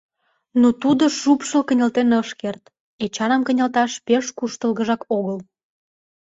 Но тудо шупшыл кынелтен ыш керт: Эчаным кынелташ пеш куштылгыжак огыл.